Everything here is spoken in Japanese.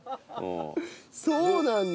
そうなんだ。